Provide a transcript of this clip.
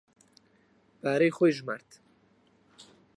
پارەی خۆی ژمارد.